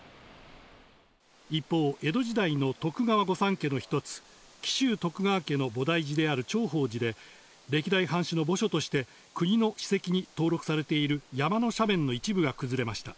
一方、江戸時代の徳川御三家の１つ、紀州徳川家の菩提寺である長保寺で、歴代藩主の墓所として国の史跡に登録されている、山の斜面の一部が崩れました。